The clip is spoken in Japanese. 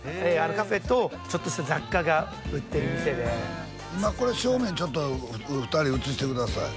カフェとちょっとした雑貨が売ってる店で今これ正面ちょっと２人映してください